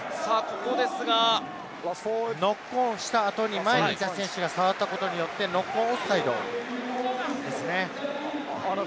ノックオンした後に前にいた選手が触ったことによって、ノックオンオフサイドですね。